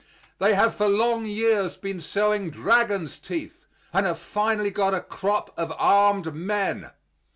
They have for long years been sowing dragons' teeth and have finally got a crop of armed men.